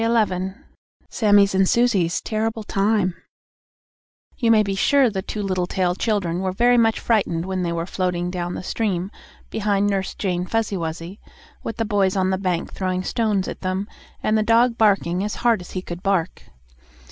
XI SAMMIE'S AND SUSIE'S TERRIBLE TIME You may be sure the two Littletail children were very much frightened when they were floating down the stream behind Nurse Jane Fuzzy Wuzzy, with the boys on the bank throwing stones at them, and the dog barking as hard as he could bark.